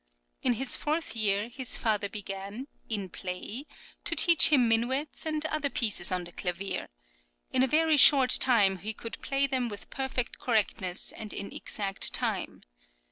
In his fourth year his father began, in play, to teach him minuets and other pieces on the clavier; in a very short time he could play them with perfect correctness and in exact time.